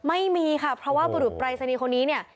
ไม่มีค่ะพอว่าบรูปรัยสนิคโคนี้เนี้ยะ